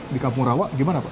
di kampung rawa gimana pak